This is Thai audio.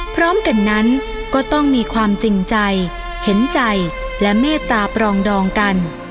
พร้อมกันนั้นก็ต้องมีความจริงใจเห็นใจและเมตตาปรองดองกัน